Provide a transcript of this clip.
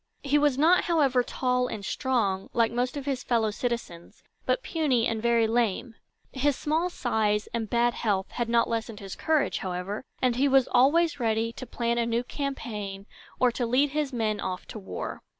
He was not, however, tall and strong, like most of his fellow citizens, but puny and very lame. His small size and bad health had not lessened his courage, however, and he was always ready to plan a new campaign or to lead his men off to war.